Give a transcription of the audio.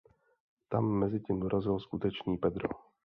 Tam mezitím dorazil skutečný Pedro.